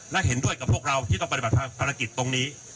และเห็นด้วยกับพวกเราที่ต้องปฏิบัติภารกิจตรงนี้